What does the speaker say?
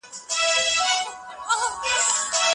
اقتصادي بندیزونه څنګه اغیز کوي؟